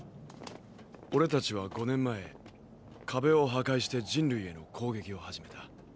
俺たちは５年前壁を破壊して人類への攻撃を始めた。